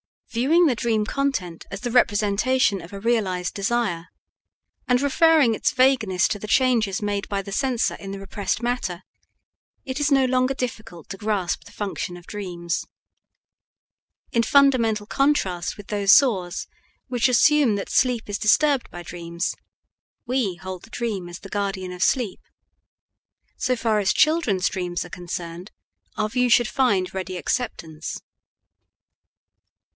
Viewing the dream content as the representation of a realized desire, and referring its vagueness to the changes made by the censor in the repressed matter, it is no longer difficult to grasp the function of dreams. In fundamental contrast with those saws which assume that sleep is disturbed by dreams, we hold the dream as the guardian of sleep. So far as children's dreams are concerned, our view should find ready acceptance.